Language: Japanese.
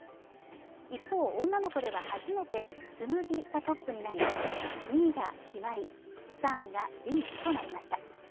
一方、女の子では初めて「紬」がトップになり２位が「陽葵」３位が「凛」となりました。